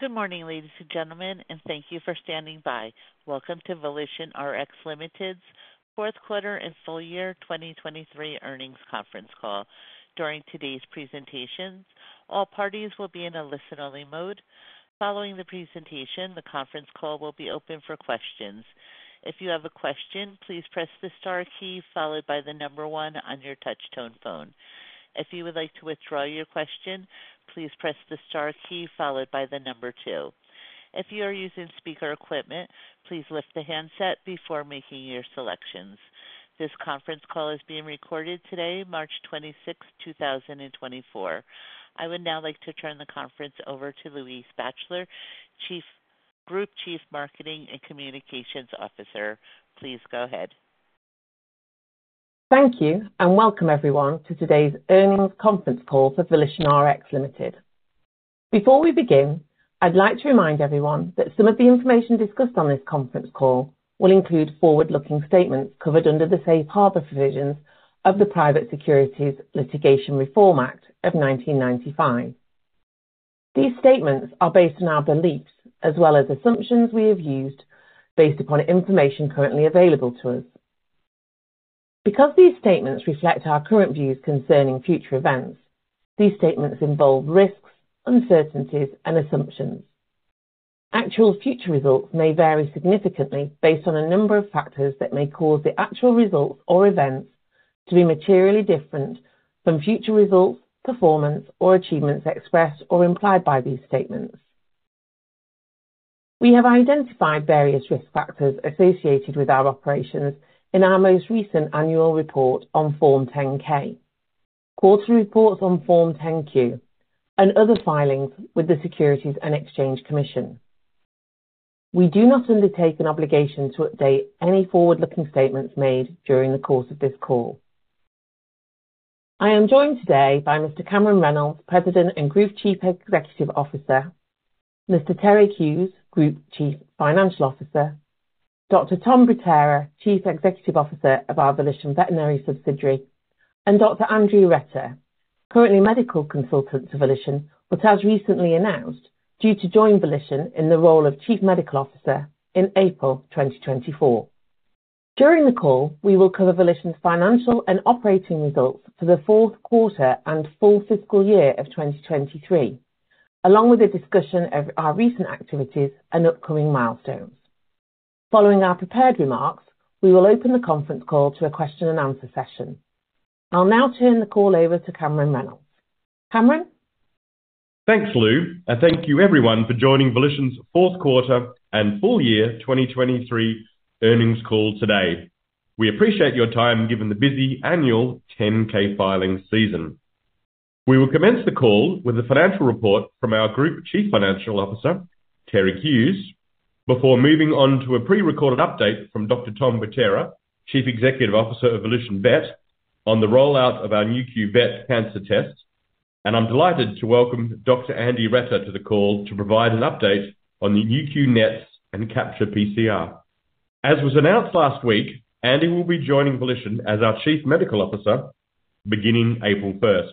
Good morning, ladies and gentlemen, and thank you for standing by. Welcome to VolitionRx Limited's fourth quarter and full year 2023 earnings conference call. During today's presentations, all parties will be in a listen-only mode. Following the presentation, the conference call will be open for questions. If you have a question, please press the star key followed by the number one on your touchtone phone. If you would like to withdraw your question, please press the star key followed by the number two. If you are using speaker equipment, please lift the handset before making your selections. This conference call is being recorded today, March 26, 2024. I would now like to turn the conference over to Louise Batchelor, Group Chief Marketing and Communications Officer. Please go ahead. Thank you, and welcome everyone to today's earnings conference call for VolitionRx Limited. Before we begin, I'd like to remind everyone that some of the information discussed on this conference call will include forward-looking statements covered under the Safe Harbor provisions of the Private Securities Litigation Reform Act of 1995. These statements are based on our beliefs as well as assumptions we have used based upon information currently available to us. Because these statements reflect our current views concerning future events, these statements involve risks, uncertainties, and assumptions. Actual future results may vary significantly based on a number of factors that may cause the actual results or events to be materially different from future results, performance, or achievements expressed or implied by these statements. We have identified various risk factors associated with our operations in our most recent annual report on Form 10-K, quarterly reports on Form 10-Q, and other filings with the Securities and Exchange Commission. We do not undertake an obligation to update any forward-looking statements made during the course of this call. I am joined today by Mr. Cameron Reynolds, President and Group Chief Executive Officer, Mr. Terig Hughes, Group Chief Financial Officer, Dr. Tom Butera, Chief Executive Officer of our Volition Veterinary subsidiary, and Dr. Andrew Retter, currently Medical Consultant to Volition, but has recently announced due to join Volition in the role of Chief Medical Officer in April 2024. During the call, we will cover Volition's financial and operating results for the fourth quarter and full fiscal year of 2023, along with a discussion of our recent activities and upcoming milestones. Following our prepared remarks, we will open the conference call to a question and answer session. I'll now turn the call over to Cameron Reynolds. Cameron? Thanks, Lou, and thank you everyone for joining Volition's fourth quarter and full year 2023 earnings call today. We appreciate your time given the busy annual 10-K filing season. We will commence the call with a financial report from our Group Chief Financial Officer, Terig Hughes, before moving on to a prerecorded update from Dr. Tom Butera, Chief Executive Officer of Volition Vet, on the rollout of our Nu.Q Vet Cancer Test. I'm delighted to welcome Dr. Andrew Retter to the call to provide an update on the Nu.Q NETs and Capture-PCR. As was announced last week, Andy will be joining Volition as our Chief Medical Officer beginning April 1.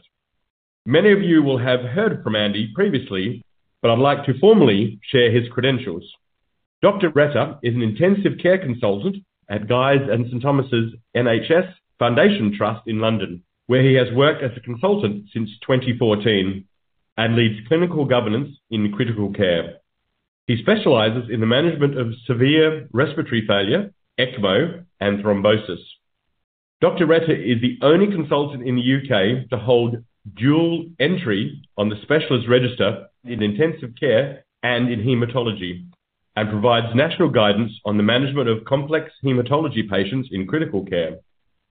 Many of you will have heard from Andy previously, but I'd like to formally share his credentials. Dr. Retter is an intensive care consultant at Guy's and St. Thomas' NHS Foundation Trust in London, where he has worked as a consultant since 2014 and leads clinical governance in critical care. He specializes in the management of severe respiratory failure, ECMO and thrombosis. Dr. Retter is the only consultant in the U.K. to hold dual entry on the specialist register in intensive care and in hematology, and provides national guidance on the management of complex hematology patients in critical care.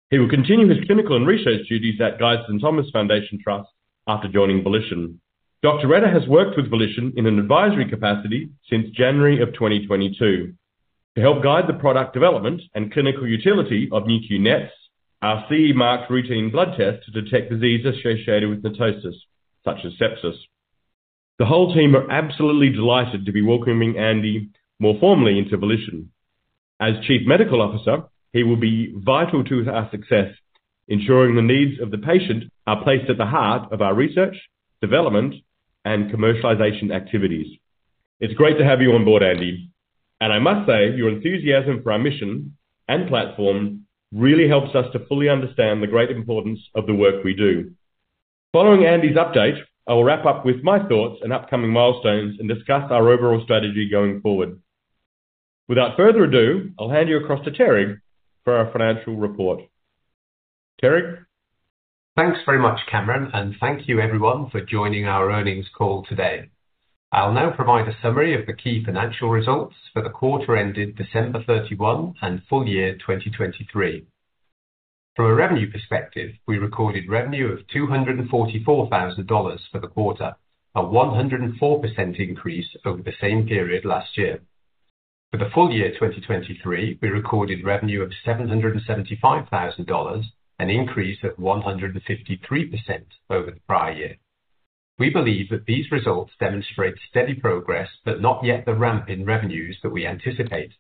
He will continue his clinical and research duties at Guy's and St Thomas' NHS Foundation Trust after joining Volition. Dr. Retter has worked with Volition in an advisory capacity since January of 2022 to help guide the product development and clinical utility of Nu.Q NETs, our CE-marked routine blood test to detect diseases associated with NETosis, such as sepsis. The whole team are absolutely delighted to be welcoming Andy more formally into Volition. As Chief Medical Officer, he will be vital to our success, ensuring the needs of the patient are placed at the heart of our research, development, and commercialization activities. It's great to have you on board, Andy, and I must say, your enthusiasm for our mission and platform really helps us to fully understand the great importance of the work we do. Following Andy's update, I will wrap up with my thoughts and upcoming milestones and discuss our overall strategy going forward. Without further ado, I'll hand you across to Terig for our financial report. Terig? Thanks very much, Cameron, and thank you everyone for joining our earnings call today. I'll now provide a summary of the key financial results for the quarter ended December 31 and full year 2023. From a revenue perspective, we recorded revenue of $244,000 for the quarter, a 104% increase over the same period last year. For the full year 2023, we recorded revenue of $775,000, an increase of 153% over the prior year. We believe that these results demonstrate steady progress, but not yet the ramp in revenues that we anticipate.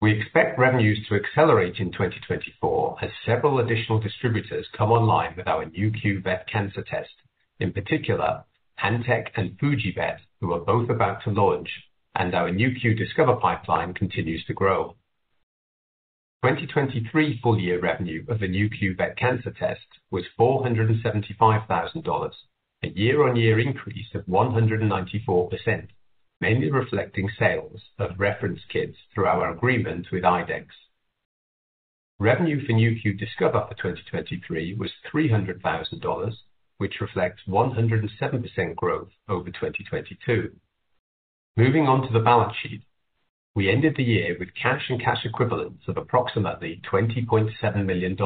We expect revenues to accelerate in 2024 as several additional distributors come online with our Nu.Q Vet Cancer Test. In particular, Antech and Fuji Vet, who are both about to launch, and our Nu.Q Discover pipeline continues to grow. 2023 full year revenue of the Nu.Q Vet Cancer Test was $475,000, a year-on-year increase of 194%, mainly reflecting sales of reference kits through our agreement with IDEXX. Revenue for Nu.Q Discover for 2023 was $300,000, which reflects 107% growth over 2022. Moving on to the balance sheet. We ended the year with cash and cash equivalents of approximately $20.7 million,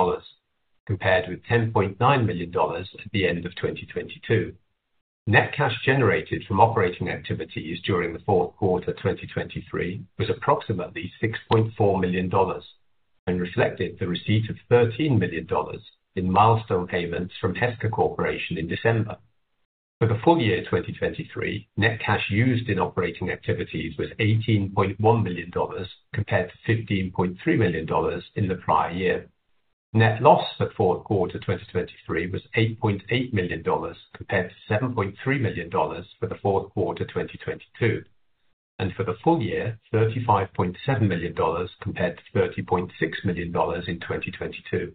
compared with $10.9 million at the end of 2022. Net cash generated from operating activities during the fourth quarter 2023 was approximately $6.4 million and reflected the receipt of $13 million in milestone payments from Heska Corporation in December. For the full year 2023, net cash used in operating activities was $18.1 million, compared to $15.3 million in the prior year. Net loss for fourth quarter 2023 was $8.8 million, compared to $7.3 million for the fourth quarter 2022, and for the full year, $35.7 million, compared to $30.6 million in 2022.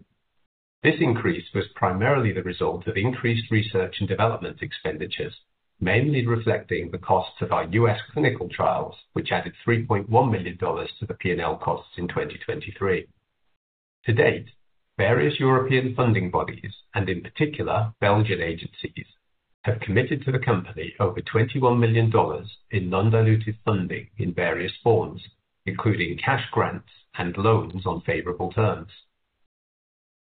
This increase was primarily the result of increased research and development expenditures, mainly reflecting the costs of our U.S. clinical trials, which added $3.1 million to the P&L costs in 2023. To date, various European funding bodies, and in particular Belgian agencies, have committed to the company over $21 million in non-dilutive funding in various forms, including cash grants and loans on favorable terms.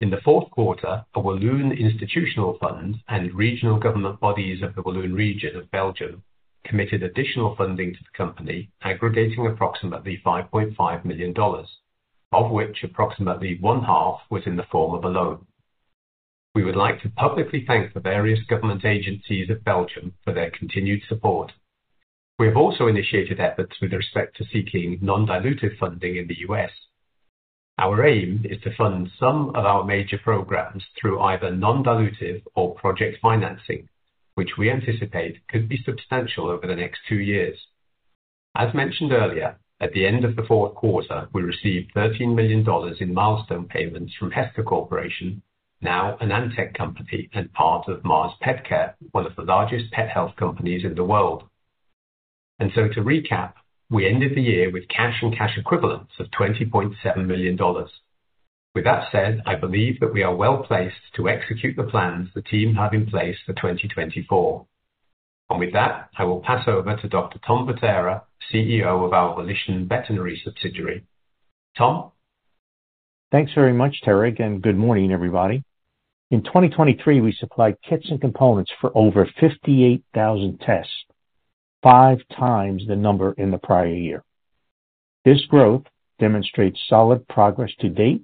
In the fourth quarter, a Walloon institutional fund and regional government bodies of the Walloon Region of Belgium committed additional funding to the company, aggregating approximately $5.5 million, of which approximately one half was in the form of a loan. We would like to publicly thank the various government agencies of Belgium for their continued support. We have also initiated efforts with respect to seeking non-dilutive funding in the U.S. Our aim is to fund some of our major programs through either non-dilutive or project financing, which we anticipate could be substantial over the next two years. As mentioned earlier, at the end of the fourth quarter, we received $13 million in milestone payments from Heska Corporation, now an Antech company and part of Mars Petcare, one of the largest pet health companies in the world. To recap, we ended the year with cash and cash equivalents of $20.7 million. With that said, I believe that we are well-placed to execute the plans the team have in place for 2024. With that, I will pass over to Dr. Tom Butera, CEO of our Volition Veterinary subsidiary. Tom? Thanks very much, Terig, and good morning, everybody. In 2023, we supplied kits and components for over 58,000 tests, 5 times the number in the prior year. This growth demonstrates solid progress to date,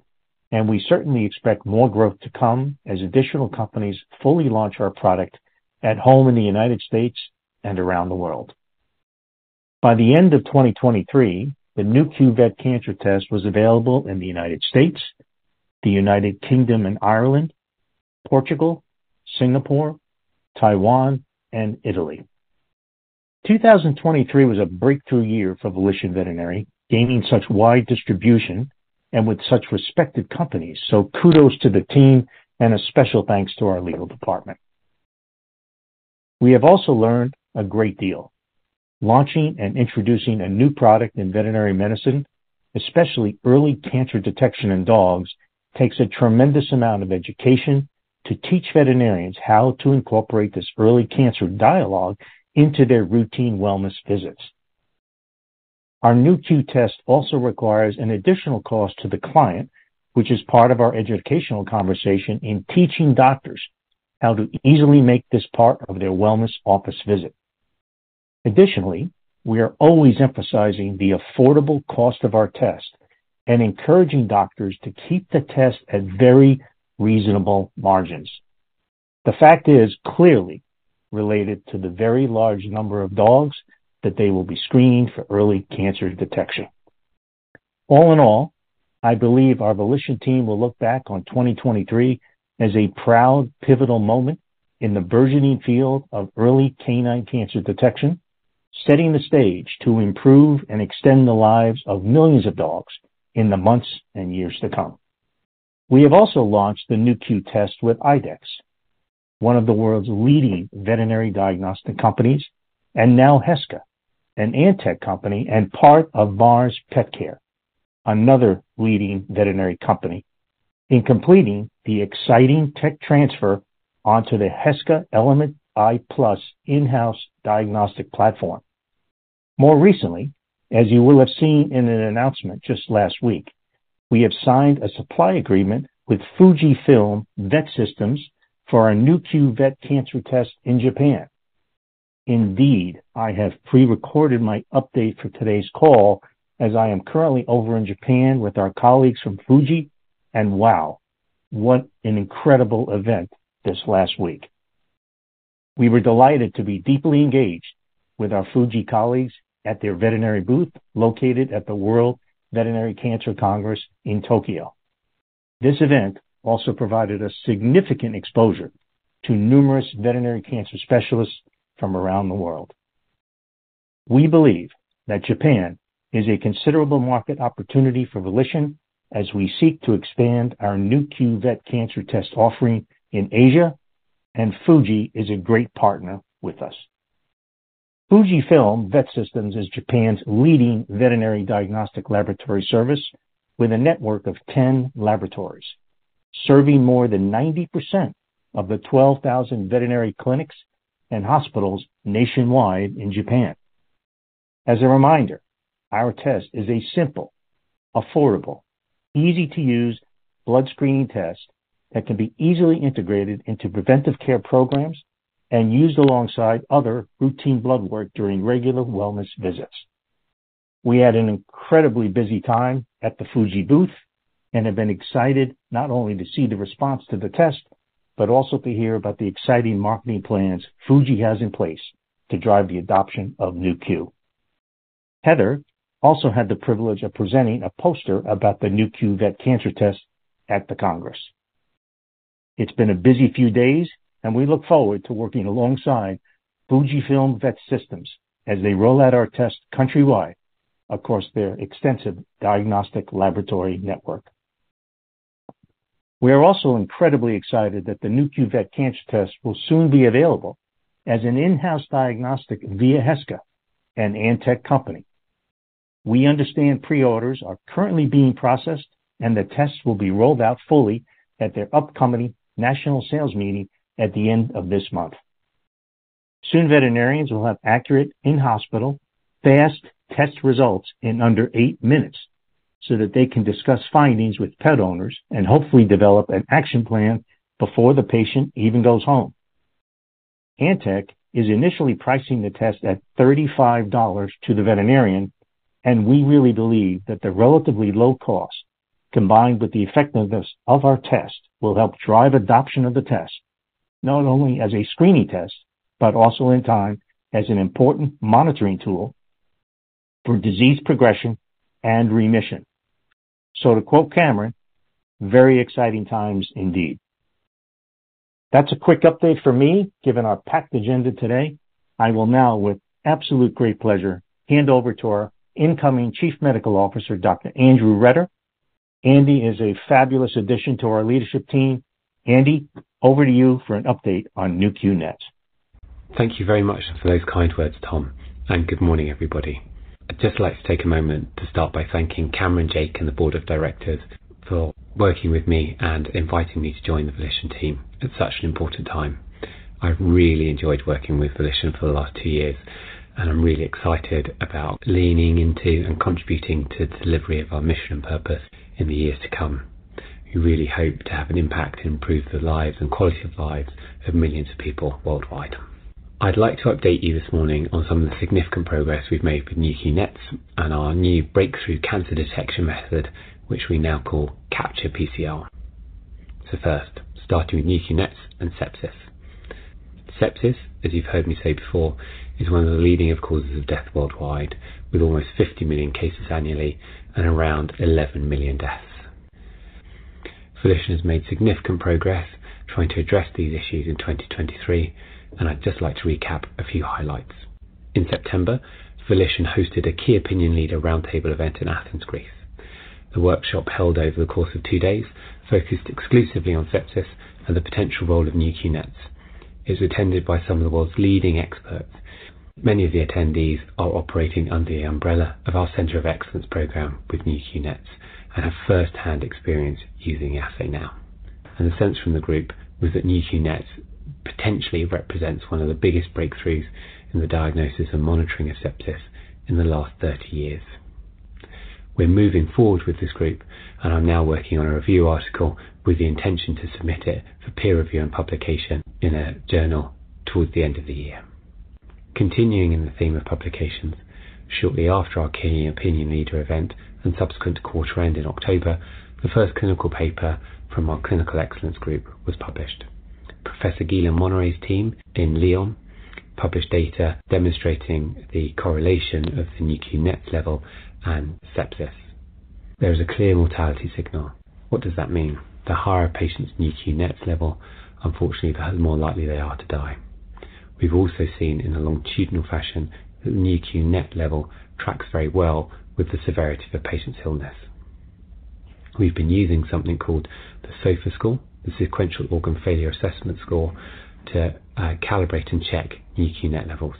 and we certainly expect more growth to come as additional companies fully launch our product at home in the United States and around the world. By the end of 2023, the Nu.Q Vet Cancer Test was available in the United States, the United Kingdom and Ireland, Portugal, Singapore, Taiwan, and Italy. 2023 was a breakthrough year for Volition Veterinary, gaining such wide distribution and with such respected companies. So kudos to the team and a special thanks to our legal department. We have also learned a great deal. Launching and introducing a new product in veterinary medicine, especially early cancer detection in dogs, takes a tremendous amount of education to teach veterinarians how to incorporate this early cancer dialogue into their routine wellness visits. Our Nu.Q test also requires an additional cost to the client, which is part of our educational conversation in teaching doctors how to easily make this part of their wellness office visit. Additionally, we are always emphasizing the affordable cost of our test and encouraging doctors to keep the test at very reasonable margins. The fact is clearly related to the very large number of dogs that they will be screening for early cancer detection. All in all, I believe our Volition team will look back on 2023 as a proud, pivotal moment in the burgeoning field of early canine cancer detection, setting the stage to improve and extend the lives of millions of dogs in the months and years to come. We have also launched the Nu.Q test with IDEXX, one of the world's leading veterinary diagnostic companies, and now Heska, an Antech company and part of Mars Petcare, another leading veterinary company, in completing the exciting tech transfer onto the Heska Element i+ in-house diagnostic platform. More recently, as you will have seen in an announcement just last week, we have signed a supply agreement with Fujifilm Vet Systems for our Nu.Q Vet Cancer Test in Japan. Indeed, I have pre-recorded my update for today's call as I am currently over in Japan with our colleagues from Fuji, and wow, what an incredible event this last week! We were delighted to be deeply engaged with our Fuji colleagues at their veterinary booth, located at the World Veterinary Cancer Congress in Tokyo. This event also provided a significant exposure to numerous veterinary cancer specialists from around the world. We believe that Japan is a considerable market opportunity for Volition as we seek to expand our Nu.Q Vet Cancer Test offering in Asia, and Fuji is a great partner with us. Fujifilm Vet Systems is Japan's leading veterinary diagnostic laboratory service, with a network of 10 laboratories, serving more than 90% of the 12,000 veterinary clinics and hospitals nationwide in Japan. As a reminder, our test is a simple, affordable, easy-to-use blood screening test that can be easily integrated into preventive care programs and used alongside other routine blood work during regular wellness visits. We had an incredibly busy time at the Fuji booth and have been excited not only to see the response to the test, but also to hear about the exciting marketing plans Fuji has in place to drive the adoption of Nu.Q. Heather also had the privilege of presenting a poster about the Nu.Q Vet Cancer Test at the Congress. It's been a busy few days, and we look forward to working alongside Fujifilm Vet Systems as they roll out our test countrywide across their extensive diagnostic laboratory network. We are also incredibly excited that the Nu.Q Vet Cancer Test will soon be available as an in-house diagnostic via Heska, an Antech company. We understand pre-orders are currently being processed, and the tests will be rolled out fully at their upcoming national sales meeting at the end of this month. Soon, veterinarians will have accurate in-hospital, fast test results in under 8 minutes, so that they can discuss findings with pet owners and hopefully develop an action plan before the patient even goes home. Antech is initially pricing the test at $35 to the veterinarian, and we really believe that the relatively low cost, combined with the effectiveness of our test, will help drive adoption of the test, not only as a screening test, but also in time as an important monitoring tool for disease progression and remission. So to quote Cameron, "Very exciting times indeed." That's a quick update from me, given our packed agenda today. I will now, with absolute great pleasure, hand over to our incoming Chief Medical Officer, Dr. Andrew Retter. Andy is a fabulous addition to our leadership team. Andy, over to you for an update on Nu.Q NETs. Thank you very much for those kind words, Tom, and good morning, everybody. I'd just like to take a moment to start by thanking Cameron, Jake, and the board of directors for working with me and inviting me to join the Volition team at such an important time. I've really enjoyed working with Volition for the last two years, and I'm really excited about leaning into and contributing to the delivery of our mission and purpose in the years to come. We really hope to have an impact and improve the lives and quality of lives of millions of people worldwide. I'd like to update you this morning on some of the significant progress we've made with Nu.Q NETs and our new breakthrough cancer detection method, which we now call Capture-PCR. So first, starting with Nu.Q NETs and sepsis. Sepsis, as you've heard me say before, is one of the leading causes of death worldwide, with almost 50 million cases annually and around 11 million deaths. Volition has made significant progress trying to address these issues in 2023, and I'd just like to recap a few highlights. In September, Volition hosted a key opinion leader roundtable event in Athens, Greece. The workshop, held over the course of 2 days, focused exclusively on sepsis and the potential role of Nu.Q NETs. It was attended by some of the world's leading experts. Many of the attendees are operating under the umbrella of our Center of Excellence program with Nu.Q NETs and have first-hand experience using the assay now. The sense from the group was that Nu.Q NETs potentially represents one of the biggest breakthroughs in the diagnosis and monitoring of sepsis in the last 30 years. We're moving forward with this group, and I'm now working on a review article with the intention to submit it for peer review and publication in a journal towards the end of the year. Continuing in the theme of publications, shortly after our key opinion leader event and subsequent quarter end in October, the first clinical paper from our Clinical Excellence Group was published. Professor Guillaume Monneret's team in Lyon published data demonstrating the correlation of the Nu.Q NETs level and sepsis. There is a clear mortality signal. What does that mean? The higher a patient's Nu.Q NETs level, unfortunately, the more likely they are to die. We've also seen in a longitudinal fashion that the Nu.Q NETs level tracks very well with the severity of a patient's illness. We've been using something called the SOFA score, the Sequential Organ Failure Assessment score, to calibrate and check Nu.Q NETs levels.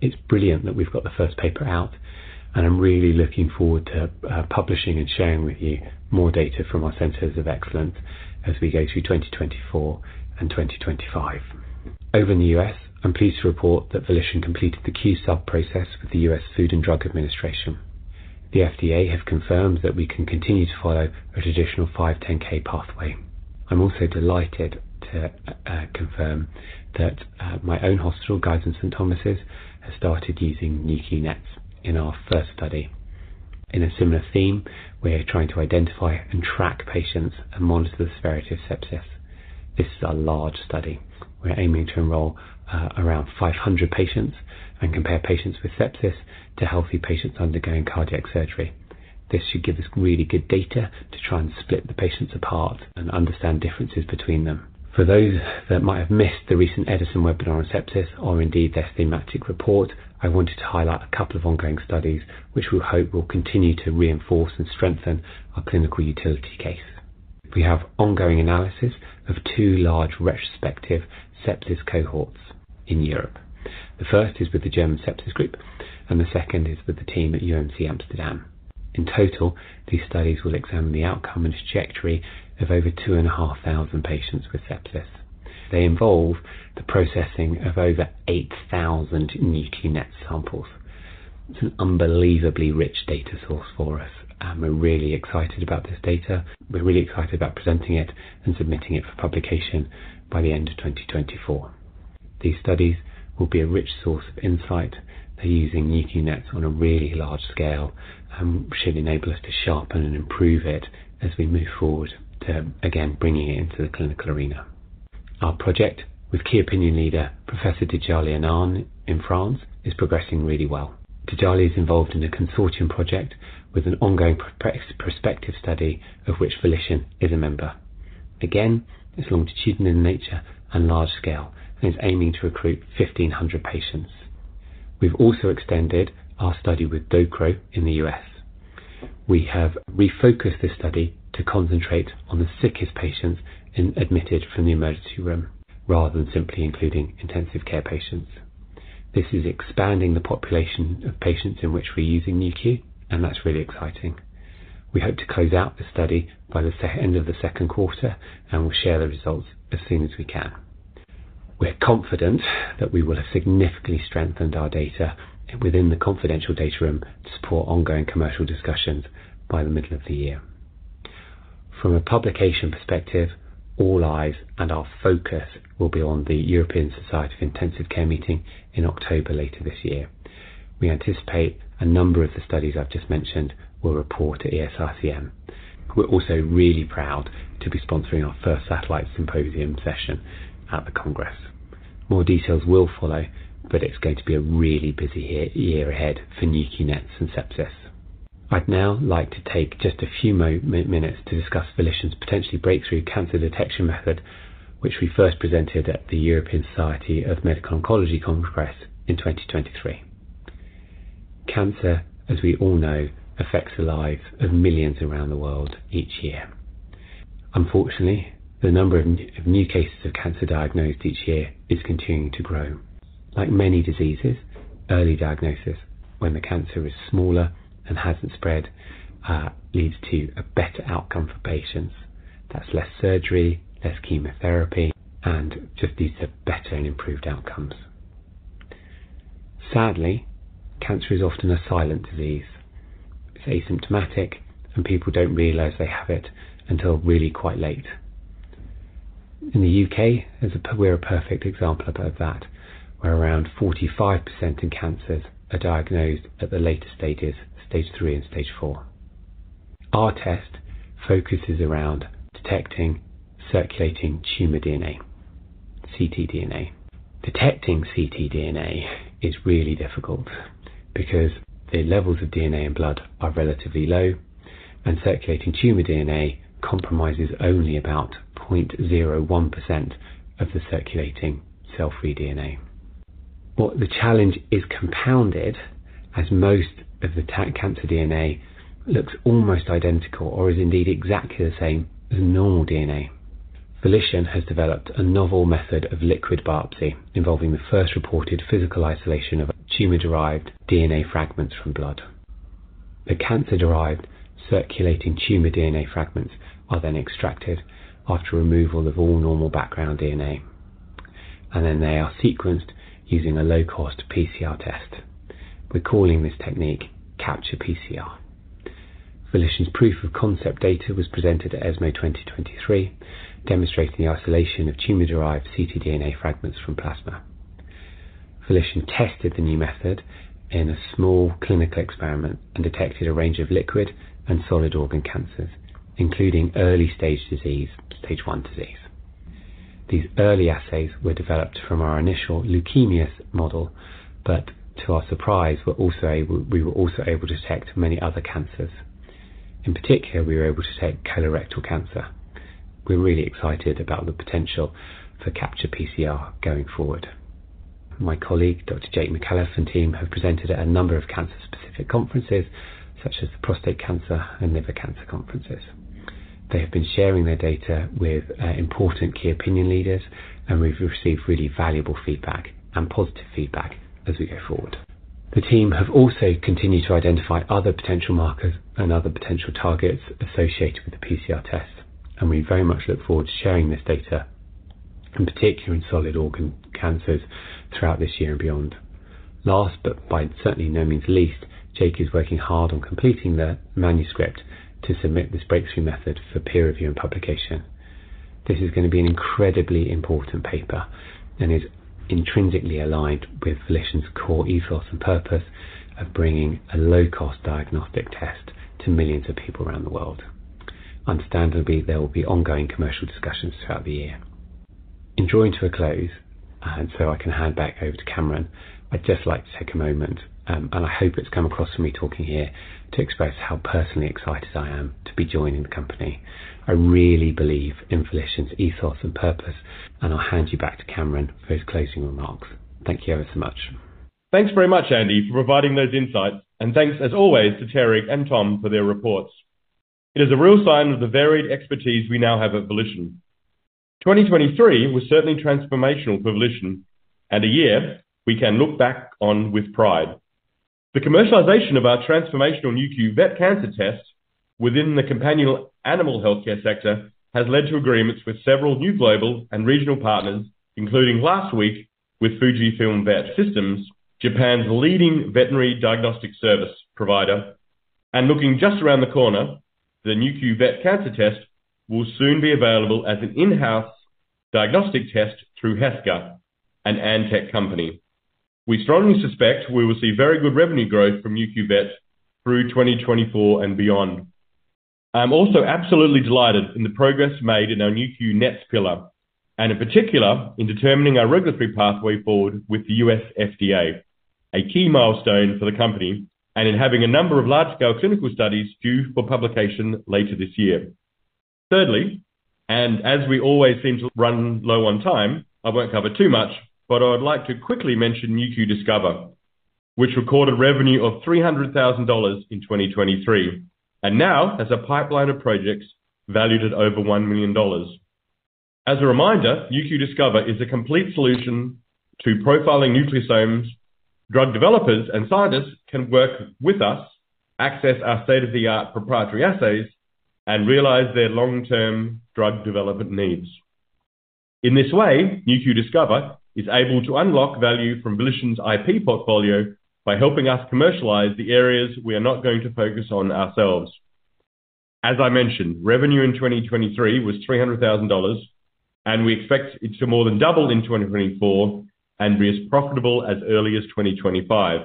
It's brilliant that we've got the first paper out, and I'm really looking forward to publishing and sharing with you more data from our Centers of Excellence as we go through 2024 and 2025. Over in the U.S., I'm pleased to report that Volition completed the Q-Sub process with the U.S. Food and Drug Administration. The FDA have confirmed that we can continue to follow a traditional 510(k) pathway. I'm also delighted to confirm that my own hospital, Guy's and St Thomas', has started using Nu.Q NETs in our first study. In a similar theme, we're trying to identify and track patients and monitor the severity of sepsis. This is a large study. We're aiming to enroll around 500 patients and compare patients with sepsis to healthy patients undergoing cardiac surgery. This should give us really good data to try and split the patients apart and understand differences between them. For those that might have missed the recent Edison webinar on sepsis, or indeed, their thematic report, I wanted to highlight a couple of ongoing studies, which we hope will continue to reinforce and strengthen our clinical utility case. We have ongoing analysis of two large retrospective sepsis cohorts in Europe. The first is with the German Sepsis Group, and the second is with the team at Amsterdam UMC. In total, these studies will examine the outcome and trajectory of over 2,500 patients with sepsis. They involve the processing of over 8,000 Nu.Q NETs samples. It's an unbelievably rich data source for us, and we're really excited about this data. We're really excited about presenting it and submitting it for publication by the end of 2024. These studies will be a rich source of insight. They're using Nu.Q NETs on a really large scale, which should enable us to sharpen and improve it as we move forward to, again, bringing it into the clinical arena. Our project with key opinion leader, Professor Djillali Annane in France, is progressing really well. Djillali Annane is involved in a consortium project with an ongoing prospective study, of which Volition is a member. Again, it's longitudinal in nature and large scale and is aiming to recruit 1,500 patients. We've also extended our study with DXOCRO in the U.S. We have refocused this study to concentrate on the sickest patients admitted from the emergency room, rather than simply including intensive care patients. This is expanding the population of patients in which we're using Nu.Q, and that's really exciting. We hope to close out the study by the end of the second quarter, and we'll share the results as soon as we can. We're confident that we will have significantly strengthened our data within the confidential data room to support ongoing commercial discussions by the middle of the year. From a publication perspective, all eyes and our focus will be on the European Society of Intensive Care meeting in October later this year. We anticipate a number of the studies I've just mentioned will report at ESICM. We're also really proud to be sponsoring our first satellite symposium session at the Congress. More details will follow, but it's going to be a really busy year ahead for Nu.Q NETs and sepsis. I'd now like to take just a few minutes to discuss Volition's potentially breakthrough cancer detection method, which we first presented at the European Society of Medical Oncology Congress in 2023. Cancer, as we all know, affects the lives of millions around the world each year. Unfortunately, the number of new cases of cancer diagnosed each year is continuing to grow. Like many diseases, early diagnosis, when the cancer is smaller and hasn't spread, leads to a better outcome for patients. That's less surgery, less chemotherapy, and just leads to better and improved outcomes. Sadly, cancer is often a silent disease. It's asymptomatic, and people don't realize they have it until really quite late. In the U.K., we're a perfect example of that, where around 45% of cancers are diagnosed at the later stages, stage three and stage four. Our test focuses around detecting circulating tumor DNA, ctDNA. Detecting ctDNA is really difficult because the levels of DNA in blood are relatively low, and circulating tumor DNA comprises only about 0.01% of the circulating cell-free DNA. Well, the challenge is compounded as most of the cancer DNA looks almost identical, or is indeed exactly the same as normal DNA. Volition has developed a novel method of liquid biopsy, involving the first reported physical isolation of tumor-derived DNA fragments from blood. The cancer-derived circulating tumor DNA fragments are then extracted after removal of all normal background DNA, and then they are sequenced using a low-cost PCR test. We're calling this technique Capture-PCR. Volition's proof of concept data was presented at ESMO 2023, demonstrating the isolation of tumor-derived ctDNA fragments from plasma. Volition tested the new method in a small clinical experiment and detected a range of liquid and solid organ cancers, including early-stage disease, stage one disease. These early assays were developed from our initial leukemias model, but to our surprise, we were also able to detect many other cancers. In particular, we were able to detect colorectal cancer. We're really excited about the potential for Capture-PCR going forward. My colleague, Dr. Jake Micallef, and team have presented at a number of cancer-specific conferences, such as the Prostate Cancer and Liver Cancer conferences. They have been sharing their data with important key opinion leaders, and we've received really valuable feedback and positive feedback as we go forward. The team have also continued to identify other potential markers and other potential targets associated with the PCR test, and we very much look forward to sharing this data, in particular, in solid organ cancers throughout this year and beyond. Last, but certainly by no means least, Jake is working hard on completing the manuscript to submit this breakthrough method for peer review and publication. This is going to be an incredibly important paper, and is intrinsically aligned with Volition's core ethos and purpose of bringing a low-cost diagnostic test to millions of people around the world. Understandably, there will be ongoing commercial discussions throughout the year. In drawing to a close, and so I can hand back over to Cameron, I'd just like to take a moment, and I hope it's come across from me talking here, to express how personally excited I am to be joining the company. I really believe in Volition's ethos and purpose, and I'll hand you back to Cameron for his closing remarks. Thank you ever so much. Thanks very much, Andy, for providing those insights, and thanks, as always, to Terig and Tom for their reports. It is a real sign of the varied expertise we now have at Volition. 2023 was certainly transformational for Volition and a year we can look back on with pride. The commercialization of our transformational Nu.Q Vet Cancer Test within the companion animal healthcare sector has led to agreements with several new global and regional partners, including last week with Fujifilm Vet Systems, Japan's leading veterinary diagnostic service provider. Looking just around the corner, the Nu.Q Vet Cancer Test will soon be available as an in-house diagnostic test through Heska, an Antech company. We strongly suspect we will see very good revenue growth from Nu.Q Vet through 2024 and beyond. I'm also absolutely delighted in the progress made in our Nu.Q NETs pillar, and in particular, in determining our regulatory pathway forward with the U.S. FDA, a key milestone for the company, and in having a number of large-scale clinical studies due for publication later this year. Thirdly, and as we always seem to run low on time, I won't cover too much, but I would like to quickly mention Nu.Q Discover, which recorded revenue of $300,000 in 2023, and now has a pipeline of projects valued at over $1 million. As a reminder, Nu.Q Discover is a complete solution to profiling nucleosomes. Drug developers and scientists can work with us, access our state-of-the-art proprietary assays, and realize their long-term drug development needs. In this way, Nu.Q Discover is able to unlock value from Volition's IP portfolio by helping us commercialize the areas we are not going to focus on ourselves. As I mentioned, revenue in 2023 was $300,000, and we expect it to more than double in 2024 and be as profitable as early as 2025.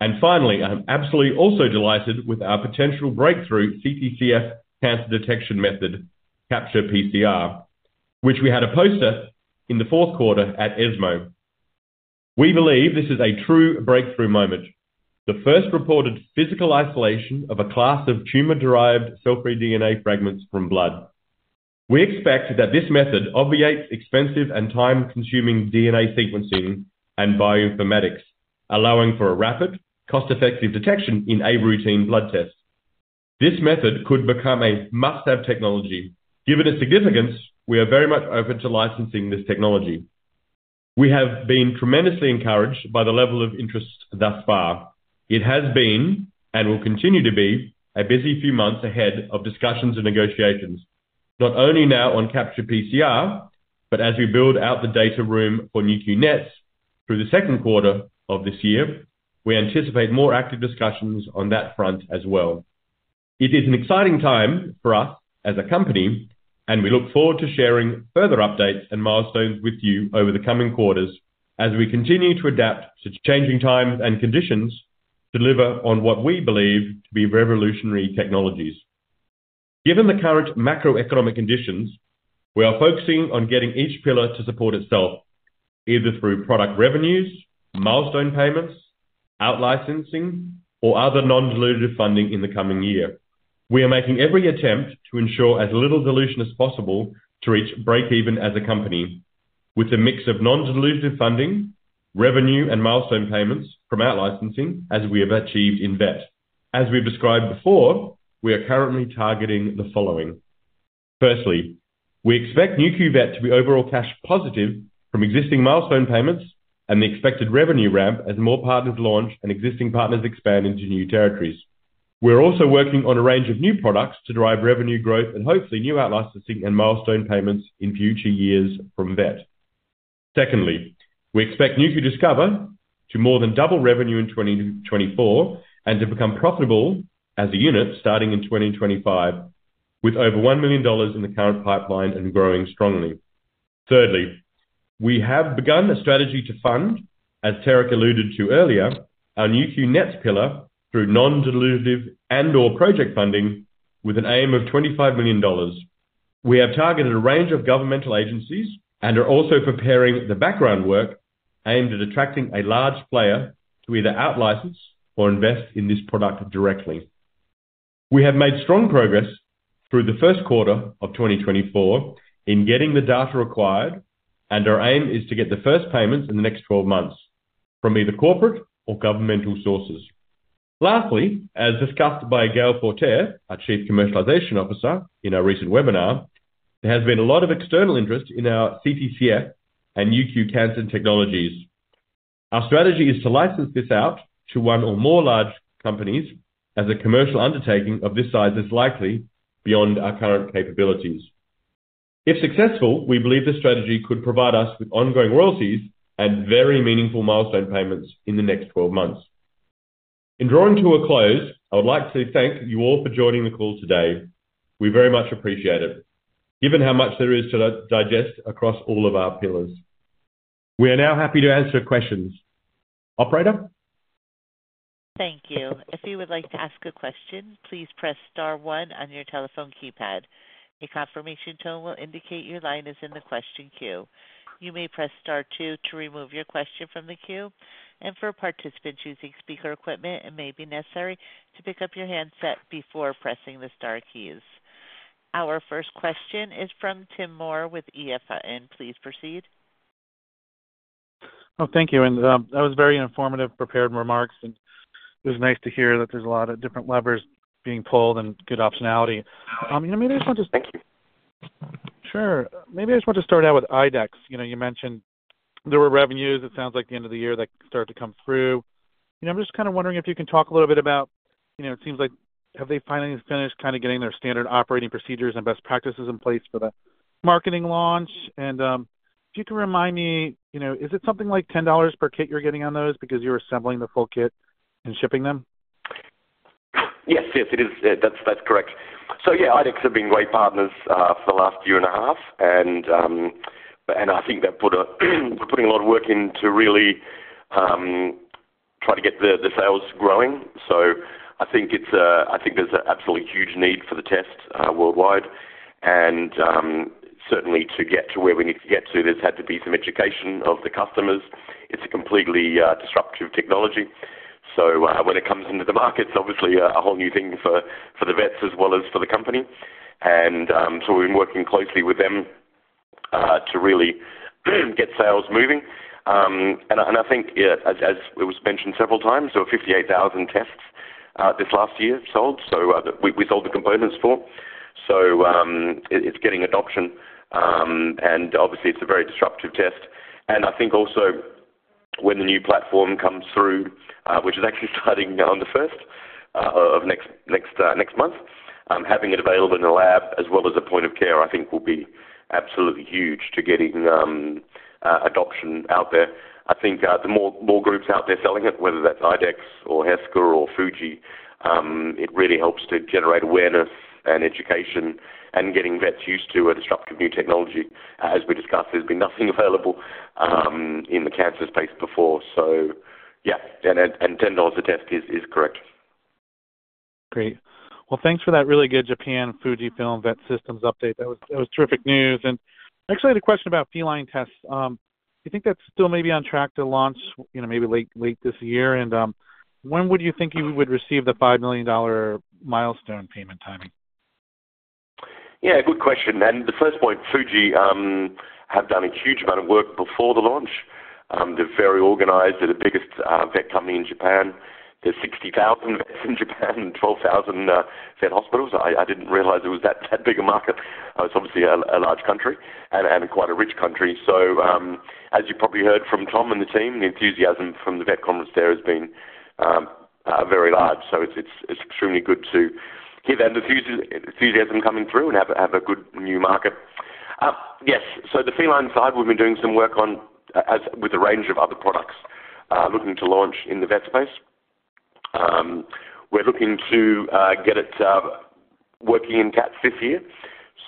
And finally, I'm absolutely also delighted with our potential breakthrough CTCF cancer detection method, Capture-PCR, which we had a poster in the fourth quarter at ESMO. We believe this is a true breakthrough moment, the first reported physical isolation of a class of tumor-derived cell-free DNA fragments from blood. We expect that this method obviates expensive and time-consuming DNA sequencing and bioinformatics, allowing for a rapid, cost-effective detection in a routine blood test. This method could become a must-have technology. Given its significance, we are very much open to licensing this technology. We have been tremendously encouraged by the level of interest thus far. It has been, and will continue to be, a busy few months ahead of discussions and negotiations, not only now on Capture-PCR, but as we build out the data room for Nu.Q NETs through the second quarter of this year, we anticipate more active discussions on that front as well. It is an exciting time for us as a company, and we look forward to sharing further updates and milestones with you over the coming quarters as we continue to adapt to changing times and conditions, deliver on what we believe to be revolutionary technologies. Given the current macroeconomic conditions, we are focusing on getting each pillar to support itself, either through product revenues, milestone payments, outlicensing, and/or other non-dilutive funding in the coming year. We are making every attempt to ensure as little dilution as possible to reach breakeven as a company with a mix of non-dilutive funding, revenue, and milestone payments from outlicensing as we have achieved in vet. As we've described before, we are currently targeting the following. Firstly, we expect Nu.Q Vet to be overall cash positive from existing milestone payments and the expected revenue ramp as more partners launch and existing partners expand into new territories. We're also working on a range of new products to drive revenue growth and hopefully new outlicensing and milestone payments in future years from vet. Secondly, we expect Nu.Q Discover to more than double revenue in 2024, and to become profitable as a unit starting in 2025, with over $1 million in the current pipeline and growing strongly. Thirdly, we have begun a strategy to fund, as Terig alluded to earlier, our Nu.Q NETs pillar through non-dilutive and/or project funding with an aim of $25 million. We have targeted a range of governmental agencies and are also preparing the background work aimed at attracting a large player to either outlicense or invest in this product directly. We have made strong progress through the first quarter of 2024 in getting the data required, and our aim is to get the first payments in the next 12 months from either corporate or governmental sources. Lastly, as discussed by Gael Forterre, our Chief Commercialization Officer in our recent webinar, there has been a lot of external interest in our CTCF and Nu.Q cancer technologies. Our strategy is to license this out to one or more large companies as a commercial undertaking of this size is likely beyond our current capabilities. If successful, we believe this strategy could provide us with ongoing royalties and very meaningful milestone payments in the next 12 months. In drawing to a close, I would like to thank you all for joining the call today. We very much appreciate it, given how much there is to digest across all of our pillars. We are now happy to answer questions. Operator? Thank you. If you would like to ask a question, please press star one on your telephone keypad. A confirmation tone will indicate your line is in the question queue. You may press star two to remove your question from the queue, and for a participant choosing speaker equipment, it may be necessary to pick up your handset before pressing the star keys. Our first question is from Tim Moore with EF Hutton. Please proceed. Oh, thank you. That was very informative, prepared remarks, and it was nice to hear that there's a lot of different levers being pulled and good optionality. Maybe I just want to thank you. Sure. Maybe I just want to start out with IDEXX. You know, you mentioned there were revenues, it sounds like the end of the year that started to come through. You know, I'm just kind of wondering if you can talk a little bit about, you know, it seems like have they finally finished kind of getting their standard operating procedures and best practices in place for the marketing launch? And, if you can remind me, you know, is it something like $10 per kit you're getting on those because you're assembling the full kit and shipping them? Yes, yes, it is. That's, that's correct. So, yeah, IDEXX have been great partners for the last year and a half, and I think they've been putting a lot of work in to really try to get the sales growing. So I think it's a... I think there's an absolutely huge need for the test worldwide. And certainly to get to where we need to get to, there's had to be some education of the customers. It's a completely disruptive technology. So when it comes into the market, it's obviously a whole new thing for the vets as well as for the company. And so we've been working closely with them to really get sales moving. And I think, yeah, as it was mentioned several times, so 58,000 tests this last year sold, so we sold the components for. So, it it's getting adoption, and obviously, it's a very disruptive test. And I think also when the new platform comes through, which is actually starting on the first of next month, having it available in the lab as well as a point of care, I think will be absolutely huge to getting adoption out there. I think the more groups out there selling it, whether that's IDEXX or Heska or Fuji, it really helps to generate awareness and education and getting vets used to a disruptive new technology. As we discussed, there's been nothing available in the cancer space before, so yeah, and $10 a test is correct. Great. Well, thanks for that really good Japan Fujifilm Vet Systems update. That was, that was terrific news. And actually, I had a question about feline tests. Do you think that's still maybe on track to launch, you know, maybe late, late this year? And, when would you think you would receive the $5 million milestone payment timing? Yeah, good question. And the first point, Fuji have done a huge amount of work before the launch. They're very organized. They're the biggest vet company in Japan. There's 60,000 vets in Japan, and 12,000 vet hospitals. I didn't realize it was that big a market. It's obviously a large country and quite a rich country. So as you probably heard from Tom and the team, the enthusiasm from the vet conference there has been very large. So it's extremely good to hear that enthusiasm coming through and have a good new market. Yes, so the feline side, we've been doing some work on as with a range of other products looking to launch in the vet space. We're looking to get it working in cats this year,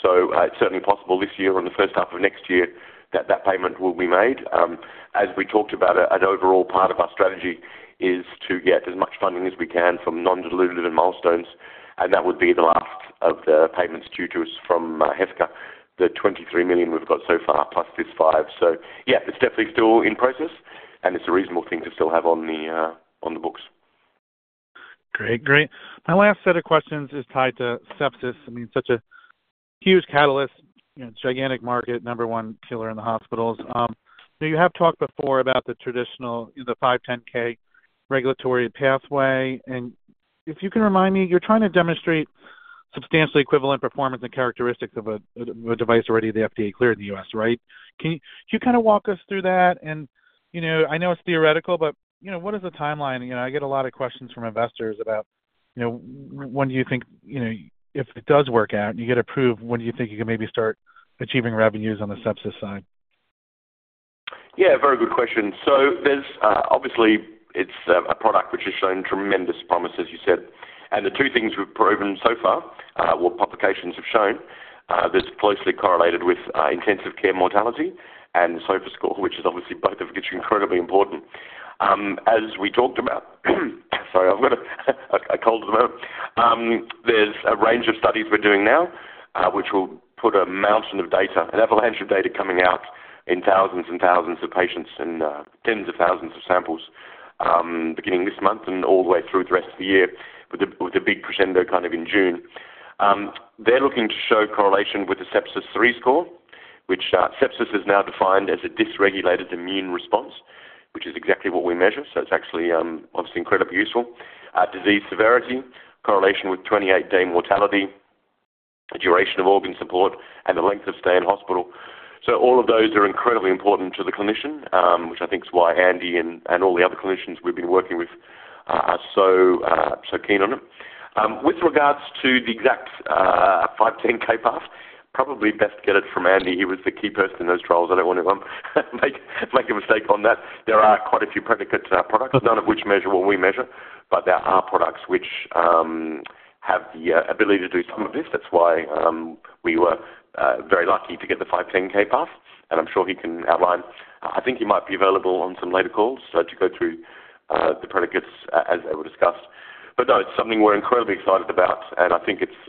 so it's certainly possible this year or in the first half of next year that that payment will be made. As we talked about, an overall part of our strategy is to get as much funding as we can from non-dilutive and milestones, and that would be the last of the payments due to us from Heska. The $23 million we've got so far, plus this $5 million. So yeah, it's definitely still in process, and it's a reasonable thing to still have on the books. Great. Great. My last set of questions is tied to sepsis. I mean, such a huge catalyst, gigantic market, number one killer in the hospitals. So you have talked before about the traditional, the 510(k) regulatory pathway. And if you can remind me, you're trying to demonstrate substantially equivalent performance and characteristics of a device already the FDA cleared in the U.S. right? Can you kind of walk us through that? And, you know, I know it's theoretical, but, you know, what is the timeline? You know, I get a lot of questions from investors about, you know, when do you think, you know, if it does work out and you get approved, when do you think you can maybe start achieving revenues on the sepsis side? Yeah, very good question. So there's obviously it's a product which has shown tremendous promise, as you said, and the two things we've proven so far, well, publications have shown this closely correlated with intensive care mortality and SOFA score, which is obviously both of which are incredibly important. As we talked about, sorry, I've got a, a cold at the moment. There's a range of studies we're doing now, which will put a mountain of data, an avalanche of data coming out in thousands and thousands of patients and tens of thousands of samples, beginning this month and all the way through the rest of the year, with a big crescendo kind of in June. They're looking to show correlation with the Sepsis-3 score, which, sepsis is now defined as a dysregulated immune response, which is exactly what we measure. So it's actually, obviously incredibly useful. Disease severity, correlation with 28-day mortality, the duration of organ support, and the length of stay in hospital. So all of those are incredibly important to the clinician, which I think is why Andy and all the other clinicians we've been working with are so keen on them. With regards to the exact 510(k) path? Probably best to get it from Andy. He was the key person in those trials. I don't want to make a mistake on that. There are quite a few predicates in our product, none of which measure what we measure, but there are products which have the ability to do some of this. That's why we were very lucky to get the 510(k) pass, and I'm sure he can outline. I think he might be available on some later calls, so to go through the predicates as they were discussed. But no, it's something we're incredibly excited about, and I think it's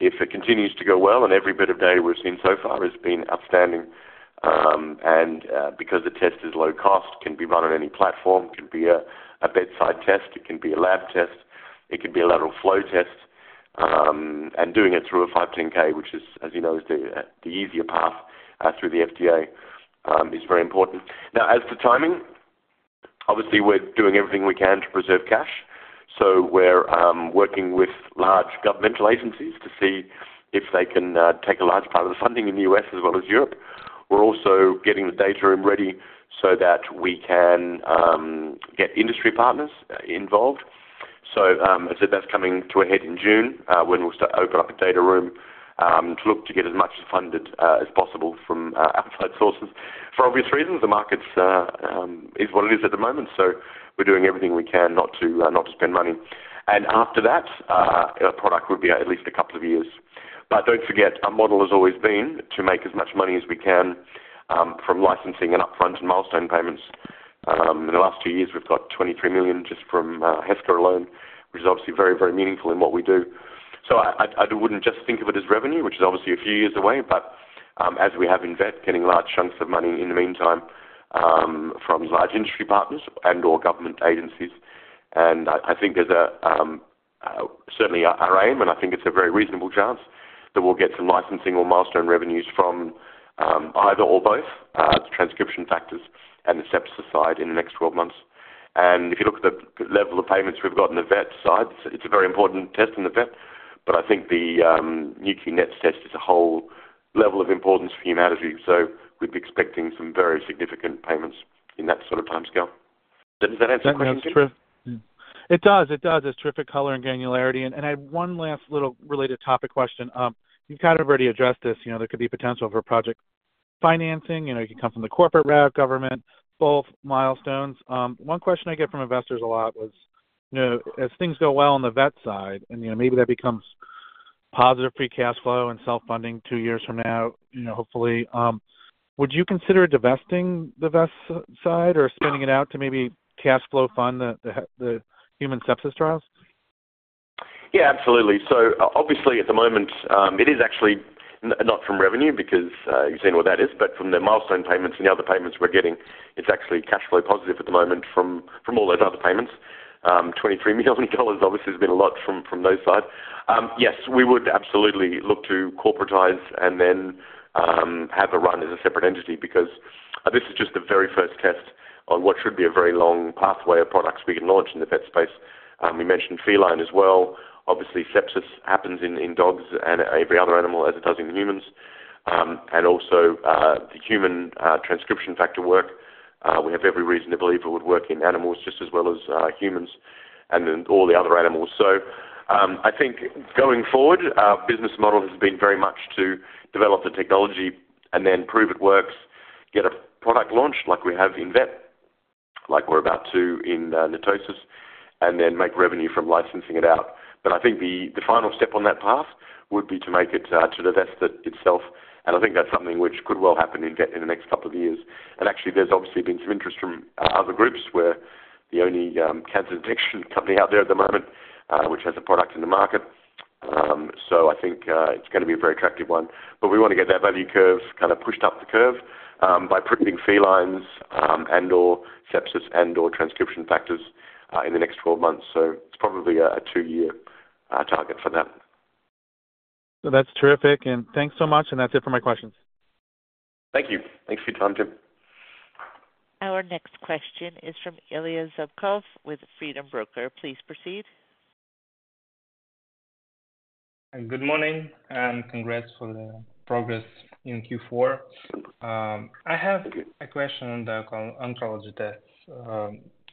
if it continues to go well, and every bit of data we've seen so far has been outstanding. And, because the test is low cost, can be run on any platform, it could be a bedside test, it can be a lab test, it could be a lateral flow test, and doing it through a 510(k), which is, as you know, is the easier path through the FDA, is very important. Now, as for timing, obviously we're doing everything we can to preserve cash. So we're working with large governmental agencies to see if they can take a large part of the funding in the U.S. as well as Europe. We're also getting the data room ready so that we can get industry partners involved. So, as I said, that's coming to a head in June, when we'll start open up a data room, to look to get as much funded, as possible from, outside sources. For obvious reasons, the markets, is what it is at the moment, so we're doing everything we can not to, not to spend money. And after that, our product will be at least a couple of years. But don't forget, our model has always been to make as much money as we can, from licensing and upfront and milestone payments. In the last two years, we've got $23 million just from, Heska alone, which is obviously very, very meaningful in what we do. So I wouldn't just think of it as revenue, which is obviously a few years away, but as we have in vet, getting large chunks of money in the meantime from large industry partners and/or government agencies. And I think there's certainly our aim, and I think it's a very reasonable chance, that we'll get some licensing or milestone revenues from either or both the transcription factors and the sepsis side in the next 12 months. And if you look at the level of payments we've got on the vet side, it's a very important test in the vet, but I think the Nu.Q NETs test is a whole level of importance for humanity, so we'd be expecting some very significant payments in that sort of timescale. Does that answer your question? That makes sense. It does. It does. It's terrific color and granularity. And I have one last little related topic question. You've kind of already addressed this, you know, there could be potential for project financing. You know, it could come from the corporate route, government, both milestones. One question I get from investors a lot was, you know, as things go well on the vet side, and, you know, maybe that becomes positive free cash flow and self-funding two years from now, you know, hopefully, would you consider divesting the vet side or spinning it out to maybe cash flow fund the human sepsis trials? Yeah, absolutely. So obviously, at the moment, it is actually not from revenue because, you've seen what that is, but from the milestone payments and the other payments we're getting, it's actually cash flow positive at the moment from all those other payments. $23 million, obviously, has been a lot from those sides. Yes, we would absolutely look to corporatize and then have a run as a separate entity because this is just the very first test on what should be a very long pathway of products we can launch in the vet space. We mentioned feline as well. Obviously, sepsis happens in dogs and every other animal as it does in humans. And also, the human transcription factor work, we have every reason to believe it would work in animals just as well as humans and in all the other animals. So, I think going forward, our business model has been very much to develop the technology and then prove it works, get a product launch like we have in vet, like we're about to in NETosis, and then make revenue from licensing it out. But I think the final step on that path would be to make it to divest it itself, and I think that's something which could well happen in vet in the next couple of years. And actually, there's obviously been some interest from other groups, we're the only cancer detection company out there at the moment, which has a product in the market. So I think it's gonna be a very attractive one. But we wanna get that value curve kind of pushed up the curve by predicting felines and/or sepsis and/or transcription factors in the next 12 months. So it's probably a 2-year target for that. That's terrific, and thanks so much. That's it for my questions. Thank you. Thanks for your time, Tim. Our next question is from Ilya Zubkov with Freedom Broker. Please proceed. Good morning, and congrats for the progress in Q4. I have a question on the oncology tests.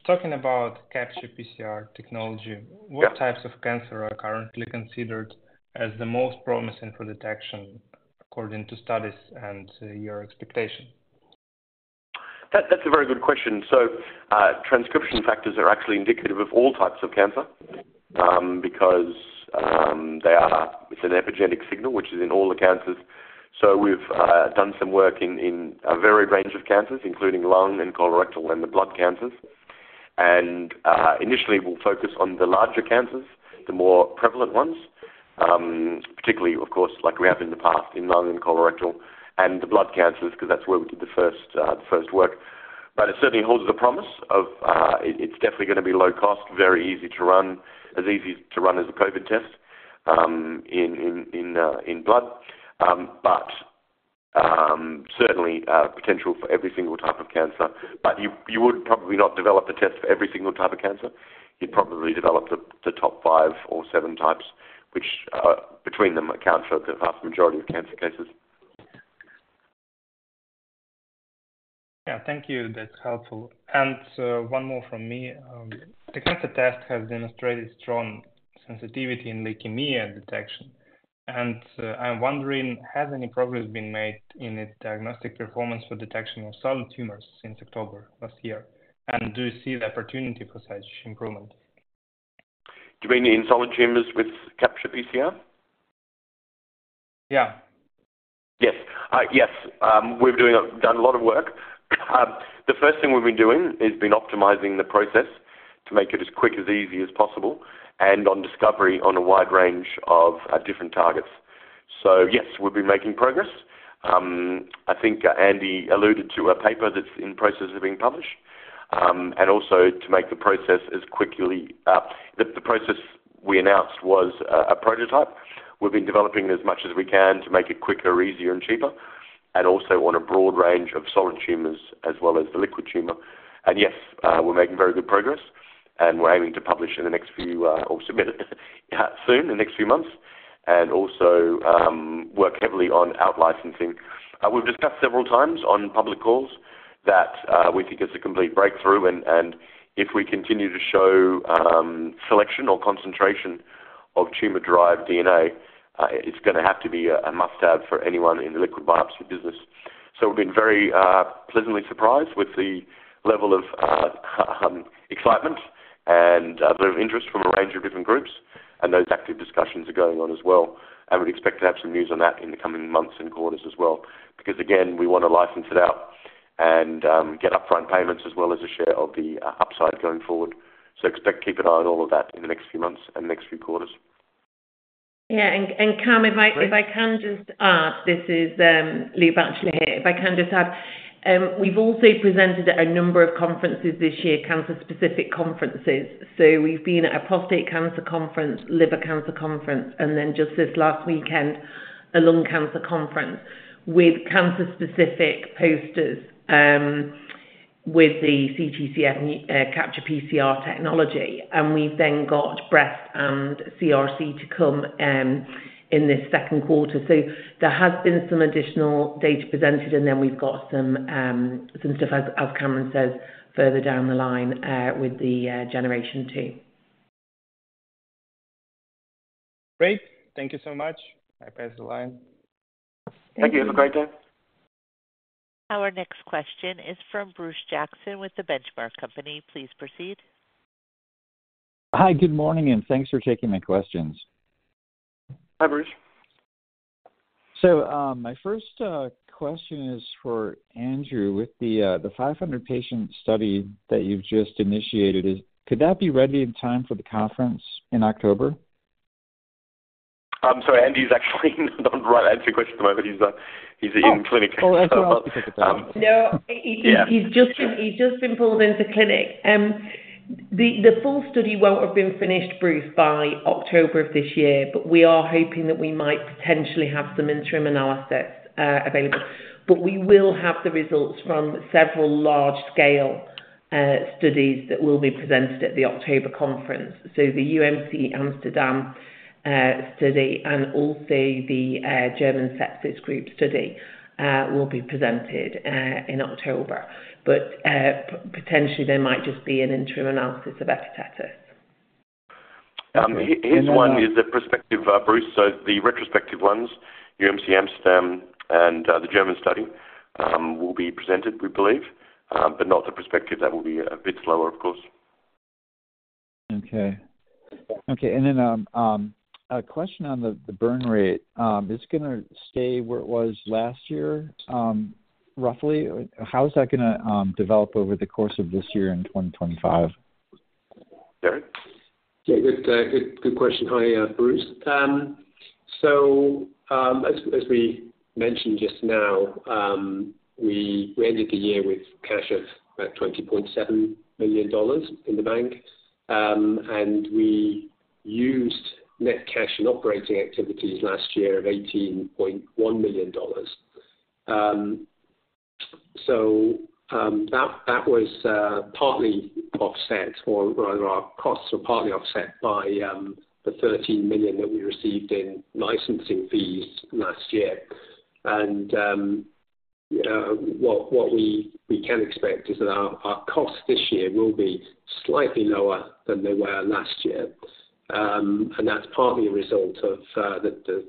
Talking about Capture PCR technology- Yeah. What types of cancer are currently considered as the most promising for detection, according to studies and your expectation? That's a very good question. So, transcription factors are actually indicative of all types of cancer, because they are... It's an epigenetic signal, which is in all the cancers. So we've done some work in a varied range of cancers, including lung and colorectal, and the blood cancers. And initially, we'll focus on the larger cancers, the more prevalent ones, particularly, of course, like we have in the past, in lung and colorectal, and the blood cancers, because that's where we did the first work. But it certainly holds the promise of... It's definitely gonna be low cost, very easy to run, as easy to run as a COVID test, in blood. But certainly potential for every single type of cancer. You would probably not develop the test for every single type of cancer. You'd probably develop the top five or seven types, which between them account for the vast majority of cancer cases. Yeah, thank you. That's helpful. And one more from me. The cancer test has demonstrated strong sensitivity in leukemia detection, and I'm wondering, has any progress been made in the diagnostic performance for detection of solid tumors since October last year? And do you see the opportunity for such improvement? Do you mean in solid tumors with Capture-PCR? Yeah. Yes. Yes. We've done a lot of work. The first thing we've been doing has been optimizing the process to make it as quick, as easy as possible, and discovery on a wide range of different targets. So yes, we've been making progress. I think Andy alluded to a paper that's in the process of being published. And also to make the process as quickly, the process we announced was a prototype. We've been developing as much as we can to make it quicker, easier, and cheaper, and also on a broad range of solid tumors as well as the liquid tumor. And yes, we're making very good progress, and we're aiming to publish in the next few or submit it soon, in the next few months, and also work heavily on out-licensing. We've discussed several times on public calls that we think it's a complete breakthrough, and if we continue to show selection or concentration of tumor-derived DNA, it's gonna have to be a must-have for anyone in the liquid biopsy business. So we've been very pleasantly surprised with the level of excitement and level of interest from a range of different groups, and those active discussions are going on as well. We'd expect to have some news on that in the coming months and quarters as well. Because, again, we wanna license it out and get upfront payments as well as a share of the upside going forward. So expect to keep an eye on all of that in the next few months and next few quarters. Yeah, and Cam, if I- Please. If I can just add, this is Louise Batchelor here. If I can just add, we've also presented at a number of conferences this year, cancer specific conferences. So we've been at a prostate cancer conference, liver cancer conference, and then just this last weekend, a lung cancer conference, with cancer specific posters, with the CTCF Capture-PCR technology. And we've then got breast and CRC to come, in this second quarter. So there has been some additional data presented, and then we've got some stuff, as Cameron says, further down the line, with the generation two. Great. Thank you so much. I pass the line. Thank you. Have a great day. Our next question is from Bruce Jackson with The Benchmark Company. Please proceed. Hi, good morning, and thanks for taking my questions. Hi, Bruce. My first question is for Andrew. With the 500-patient study that you've just initiated, could that be ready in time for the conference in October? I'm sorry, Andy's actually not the right answer your question at the moment. He's in clinic. Oh, oh, Yeah. No, he's just been pulled into clinic. The full study won't have been finished, Bruce, by October of this year, but we are hoping that we might potentially have some interim analysis available. But we will have the results from several large-scale studies that will be presented at the October conference. So the Amsterdam UMC study and also the German Sepsis Group study will be presented in October. But potentially there might just be an interim analysis of hepatitis. His one is a prospective, Bruce, so the retrospective ones, UMC Amsterdam and the German study, will be presented, we believe, but not the prospective. That will be a bit slower, of course. Okay. Okay, and then, a question on the burn rate. Is it gonna stay where it was last year, roughly? How is that gonna develop over the course of this year in 2025? Terig? Yeah, good question. Hi, Bruce. So, as we mentioned just now, we ended the year with cash of about $20.7 million in the bank. And we used net cash in operating activities last year of $18.1 million. So, that was partly offset, or our costs were partly offset by the $13 million that we received in licensing fees last year. And what we can expect is that our costs this year will be slightly lower than they were last year. And that's partly a result of the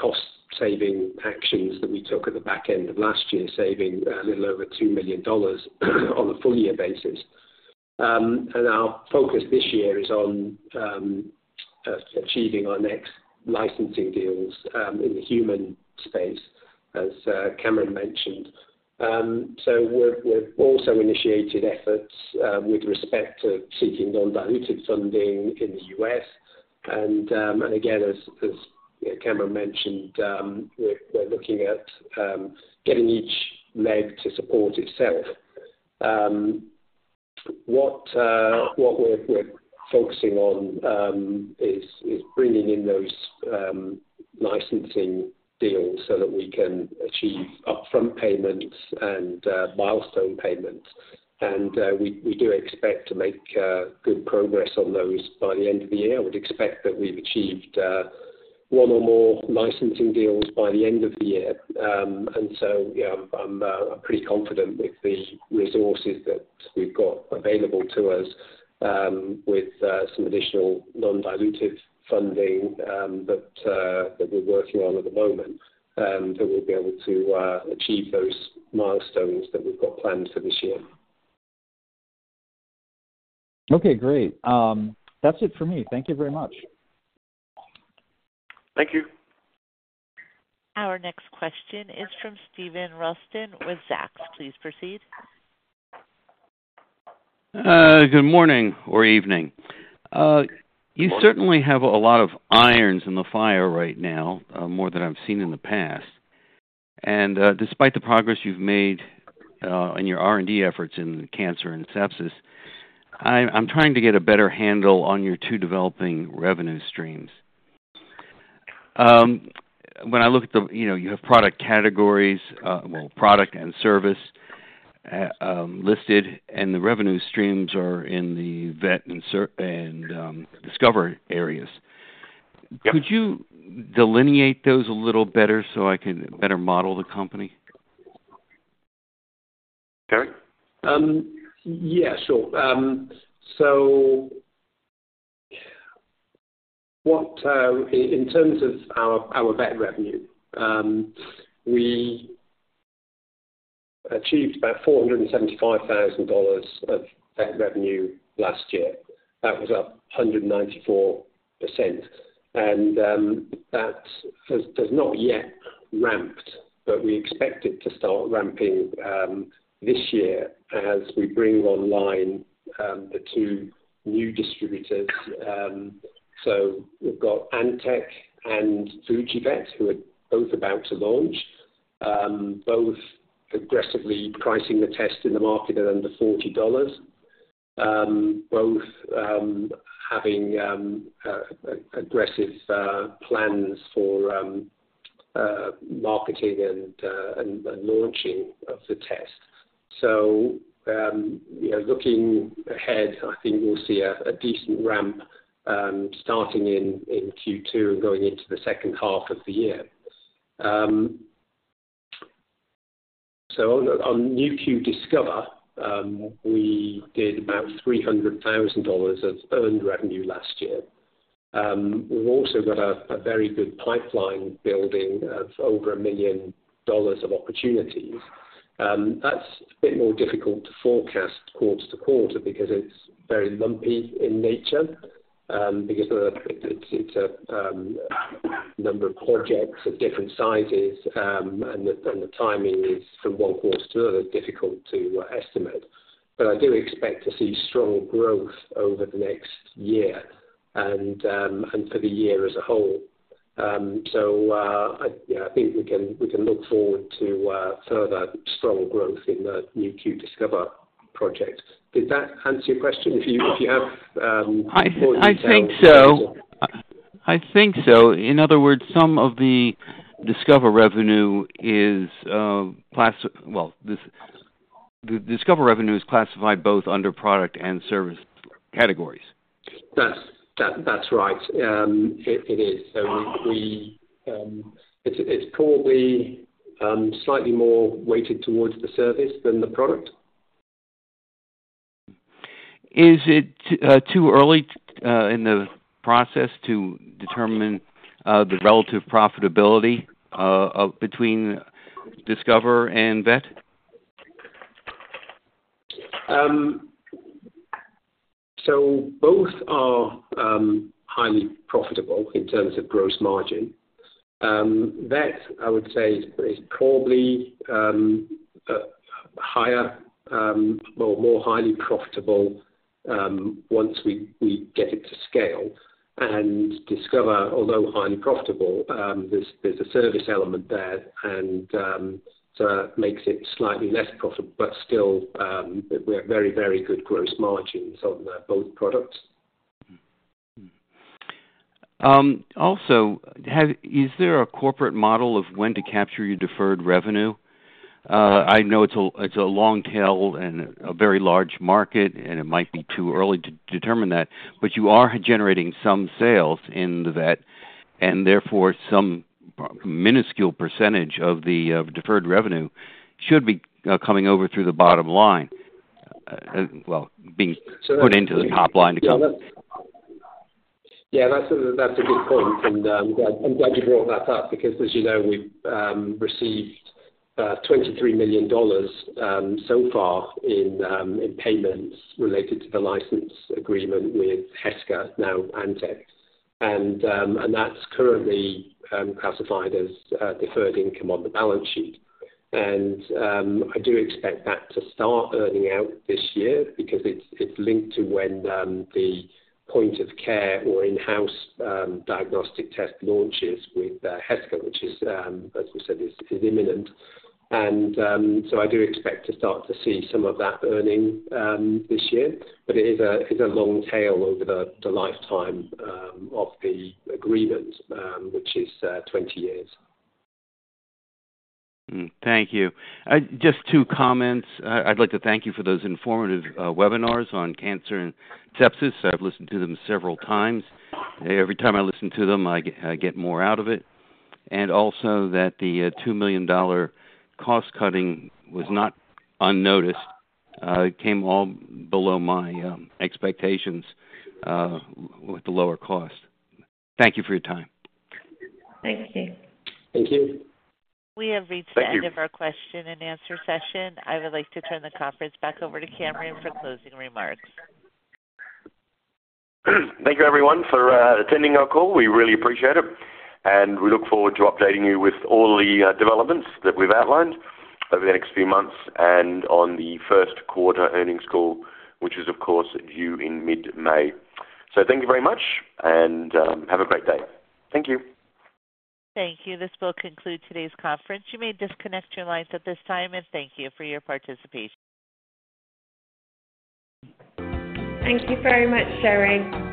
cost saving actions that we took at the back end of last year, saving a little over $2 million on a full year basis. And our focus this year is on achieving our next licensing deals in the human space, as Cameron mentioned. So we've also initiated efforts with respect to seeking non-dilutive funding in the U.S.. And again, as Cameron mentioned, we're looking at getting each leg to support itself. What we're focusing on is bringing in those licensing deals so that we can achieve upfront payments and milestone payments, and we do expect to make good progress on those by the end of the year. I would expect that we've achieved one or more licensing deals by the end of the year. And so, yeah, I'm pretty confident with the resources that we've got available to us, with some additional non-dilutive funding that we're working on at the moment, that we'll be able to achieve those milestones that we've got planned for this year. Okay, great. That's it for me. Thank you very much. Thank you. Our next question is from Steven Ralston with Zacks. Please proceed. Good morning or evening. Good morning. You certainly have a lot of irons in the fire right now, more than I've seen in the past. And, despite the progress you've made in your R&D efforts in cancer and sepsis, I'm trying to get a better handle on your two developing revenue streams. When I look at the, you know, you have product categories, well, product and service, listed, and the revenue streams are in the vet and ser- and discover areas. Yep. Could you delineate those a little better so I can better model the company? Terig? Yeah, sure. So, in terms of our vet revenue, we achieved about $475,000 of vet revenue last year. That was up 194%. And, that has not yet ramped, but we expect it to start ramping this year as we bring online the two new distributors. So we've got Antech and Fuji Vet, who are both about to launch. Both aggressively pricing the test in the market at under $40. Both having aggressive plans for marketing and launching of the test. So, you know, looking ahead, I think we'll see a decent ramp starting in Q2 and going into the second half of the year. So on Nu.Q Discover, we did about $300,000 of earned revenue last year. We've also got a very good pipeline building of over $1 million of opportunities. That's a bit more difficult to forecast quarter to quarter because it's very lumpy in nature, because it's a number of projects of different sizes, and the timing is from one quarter to another, difficult to estimate. But I do expect to see strong growth over the next year and for the year as a whole. So, yeah, I think we can look forward to further strong growth in the Nu.Q Discover project. Did that answer your question? If you, if you have, I think so. I think so. In other words, some of the Discover revenue is well, the Discover revenue is classified both under product and service categories. That's right. It is. So it's probably slightly more weighted towards the service than the product. Is it too early in the process to determine the relative profitability of between Discover and Vet? So both are highly profitable in terms of gross margin. Vet, I would say, is probably higher, well, more highly profitable, once we get it to scale. And Discover, although highly profitable, there's a service element there, and so that makes it slightly less profitable, but still, we have very, very good gross margins on both products. Also, is there a corporate model of when to capture your deferred revenue? I know it's a long tail and a very large market, and it might be too early to determine that, but you are generating some sales in the Vet, and therefore, some minuscule percentage of the deferred revenue should be coming over through the bottom line, well, being put into the top line to come. Yeah, that's a good point, and I'm glad you brought that up, because as you know, we've received $23 million so far in payments related to the license agreement with Heska, now Antech. And that's currently classified as deferred income on the balance sheet. And I do expect that to start earning out this year because it's linked to when the point of care or in-house diagnostic test launches with Heska, which is, as we said, imminent. And so I do expect to start to see some of that earning this year. But it is a long tail over the lifetime of the agreement, which is 20 years. Thank you. Just two comments. I'd like to thank you for those informative webinars on cancer and sepsis. I've listened to them several times. Every time I listen to them, I get more out of it. And also that the $2 million cost cutting was not unnoticed. It came all below my expectations with the lower cost. Thank you for your time. Thank you. Thank you. We have reached the end of our question-and-answer session. I would like to turn the conference back over to Cameron for closing remarks. Thank you, everyone, for attending our call. We really appreciate it, and we look forward to updating you with all the developments that we've outlined over the next few months, and on the first quarter earnings call, which is, of course, due in mid-May. So thank you very much, and have a great day. Thank you. Thank you. This will conclude today's conference. You may disconnect your lines at this time, and thank you for your participation. Thank you very much, Terig.